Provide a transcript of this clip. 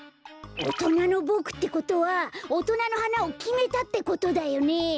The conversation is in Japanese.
おとなのボクってことはおとなのはなをきめたってことだよね？